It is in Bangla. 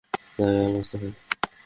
তাই, আবার বাঁচতে হয়।